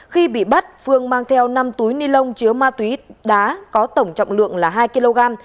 khi bị bắt phương mang theo năm túi ni lông chứa ma túy đá có tổng trọng lượng là hai kg